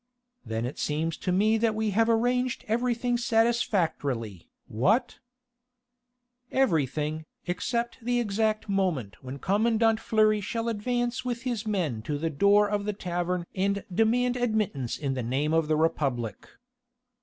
"Then it seems to me that we have arranged everything satisfactorily, what?" "Everything, except the exact moment when Commandant Fleury shall advance with his men to the door of the tavern and demand admittance in the name of the Republic."